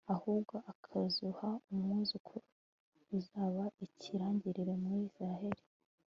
ahubwo akaguha umwuzukuru uzaba ikirangirire muri israheli